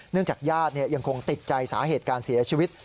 เนื่องจากญาติยังคงติดใจสาเหตุการณ์เสียชวิต